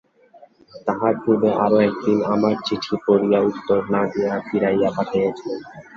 তাহার পূর্বে আর-এক দিন আমার চিঠি পড়িয়া উত্তর না দিয়া ফিরাইয়া পাঠাইয়াছিলে?